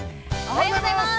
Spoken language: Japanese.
◆おはようございます。